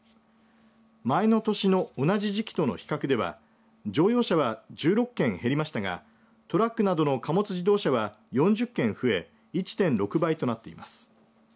前の年の同じ時期との比較では乗用車は１６件減りましたがトラックなどの貨物自動車は４０件増え１．６倍となっています。